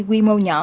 quy mô nhỏ